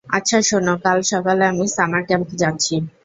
আচ্ছা শোনো কাল সকালে আমি সামার ক্যাম্প যাচ্ছি।